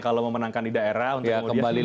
kalau memenangkan di daerah untuk kemudian dilindungi